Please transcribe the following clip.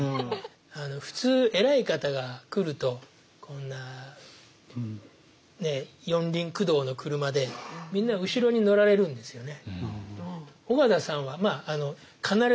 普通偉い方が来るとこんなねえ四輪駆動の車でみんな後ろに乗られるんですよね。